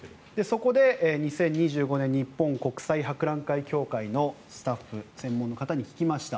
そこで２０２５年日本国際博覧会協会のスタッフ専門の方に聞きました。